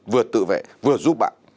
vừa tự vệ vừa giúp bạn